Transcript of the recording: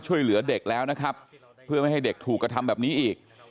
ช่วยเหลือเด็กแล้วนะครับเพื่อไม่ให้เด็กถูกกระทำแบบนี้อีก